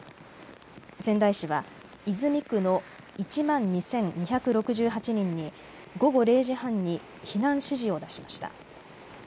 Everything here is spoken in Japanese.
仙台市は泉区の１万２２６８人に午後０時半に避難指示を出しました。